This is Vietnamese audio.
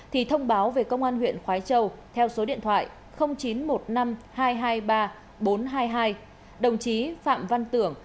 thì thông báo về công an huyện khói châu theo số điện thoại chín trăm một mươi năm hai trăm hai mươi ba bốn trăm hai mươi hai đồng chí phạm văn tưởng